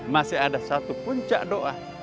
masih ada satu puncak doa